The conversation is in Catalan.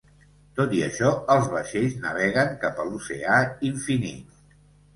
Tot i això, els vaixells naveguen cap a l'oceà infinit.